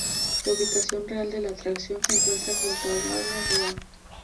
La ubicación real de la atracción se encuentra junto a Warner Road.